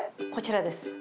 こちらです。